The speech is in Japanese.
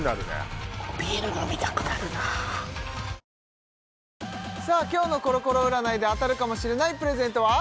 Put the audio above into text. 「ビオレ」さあ今日のコロコロ占いで当たるかもしれないプレゼントは？